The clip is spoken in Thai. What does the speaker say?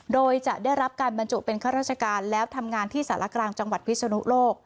โดยจะได้รับการบรรจุเป็นข้าราชการแล้วทำงานที่สารกลางจังหวัดพิศนุโลก